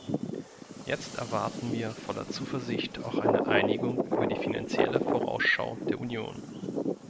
Jetzt erwarten wir voller Zuversicht auch eine Einigung über die Finanzielle Vorausschau der Union.